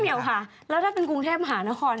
รหในเดือนาแล้วถ้าเป็นกรุงเทพภาษณะฮล